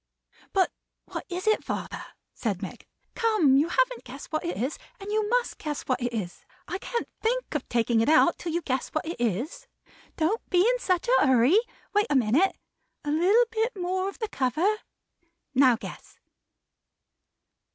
"But what is it father?" said Meg. "Come! you haven't guessed what it is. And you must guess what it is. I can't think of taking it out till you guess what it is. Don't be in such a hurry! Wait a minute! A little bit more of the cover. Now guess!"